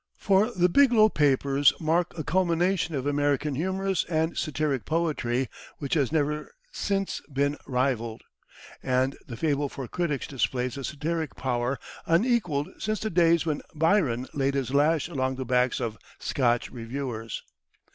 For the "Biglow Papers" mark a culmination of American humorous and satiric poetry which has never since been rivalled; and the "Fable for Critics" displays a satiric power unequalled since the days when Byron laid his lash along the backs of "Scotch Reviewers."